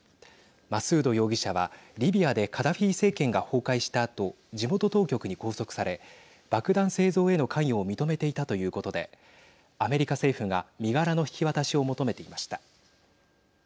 マスード容疑者はリビアでカダフィ政権が崩壊したあと地元当局に拘束され爆弾製造への関与を認めていたということでアメリカ政府が身柄の引き渡しを求めていました。